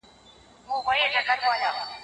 سیاست جوړونکي باید د خلکو په ژوند پوه شي.